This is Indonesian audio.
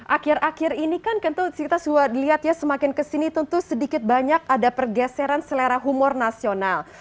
akhir akhir ini kan tentu kita lihat ya semakin kesini tentu sedikit banyak ada pergeseran selera humor nasional